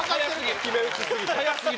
決め打ち過ぎて。